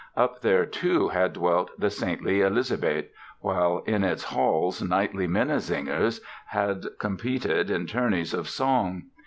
Up there, too, had dwelt the saintly Elisabeth, while in its halls knightly Minnesingers had competed in tourneys of song.